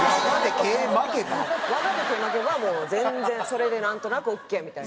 我で毛巻けばもう全然それでなんとなくオーケーみたいな。